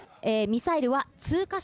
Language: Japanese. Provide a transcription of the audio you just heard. ミサイル通過。